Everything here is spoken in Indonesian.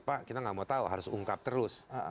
pak kita gak mau tahu harus ungkap terus